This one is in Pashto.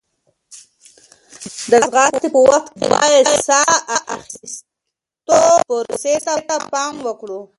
د ځغاستې په وخت کې باید د ساه اخیستو پروسې ته پام وکړو.